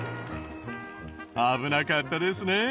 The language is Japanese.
危なかったですねえ。